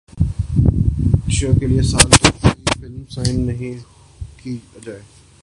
شیوے کیلئے سال تک کوئی فلم سائن نہیں کی اجے